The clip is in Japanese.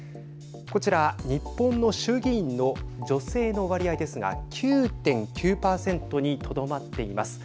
こちら、日本の衆議院の女性の割合ですが９．９％にとどまっています。